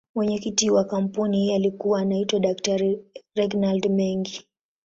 Mwenyekiti wa kampuni hii alikuwa anaitwa Dr.Reginald Mengi.